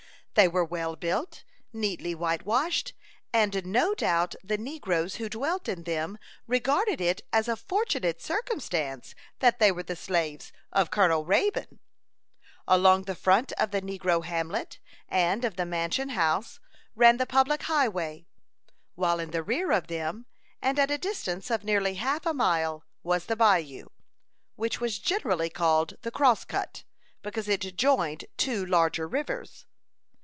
They were well built, neatly white washed, and no doubt the negroes who dwelt in them regarded it as a fortunate circumstance that they were the slaves of Colonel Raybone. Along the front of the negro hamlet, and of the mansion house, ran the public highway, while in the rear of them, and at a distance of nearly half a mile, was the bayou, which was generally called the "Crosscut," because it joined two larger rivers.